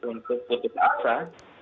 untuk butuh asas